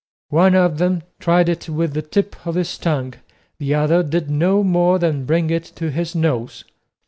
One of them tried it with the tip of his tongue, the other did no more than bring it to his nose.